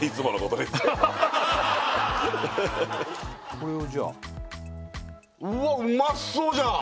これをじゃあうわっうまそうじゃん！